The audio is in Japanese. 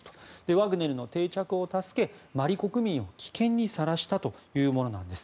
ワグネルの定着を助けマリ国民を危険にさらしたというものなんです。